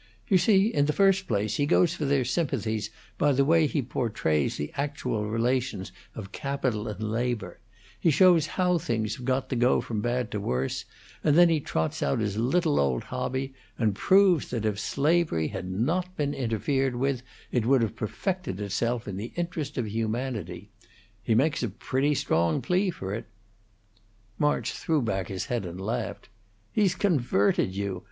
You see, in the first place, he goes for their sympathies by the way he portrays the actual relations of capital and labor; he shows how things have got to go from bad to worse, and then he trots out his little old hobby, and proves that if slavery had not been interfered with, it would have perfected itself in the interest of humanity. He makes a pretty strong plea for it." March threw back his head and laughed. "He's converted you!